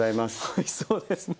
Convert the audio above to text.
おいしそうですね。